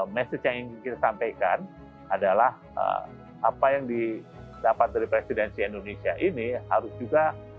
message yang ingin kita sampaikan adalah apa yang didapat dari presidensi indonesia ini harus juga